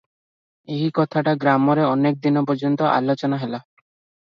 ଏହି କଥାଟା ଗ୍ରାମରେ ଅନେକ ଦିନ ପର୍ଯ୍ୟନ୍ତ ଆଲୋଚନା ହେଲା ।